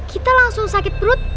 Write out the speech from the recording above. kita langsung sakit perut